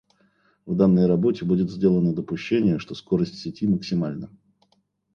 В данной работе будет сделано допущение что скорость сети максимальна.